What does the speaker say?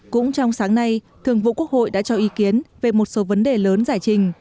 cũng trong sáng nay thường vụ quốc hội đã cho ý kiến về một số vấn đề lớn giải trình